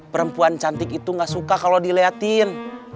perempuan cantik itu gak suka kalau dileatin